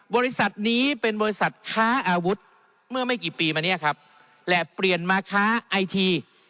บริษัทนี้เป็นบริษัทค้าอาวุธเมื่อไม่กี่ปีมาเนี่ยครับและเปลี่ยนมาค้าไอที